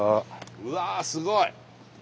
うわすごい！